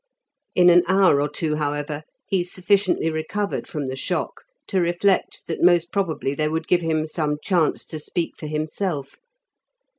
In an hour or two, however, he sufficiently recovered from the shock to reflect that most probably they would give him some chance to speak for himself.